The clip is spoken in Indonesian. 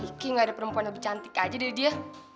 kayaknya enggak ada perempuan lebih cantik aja dari dia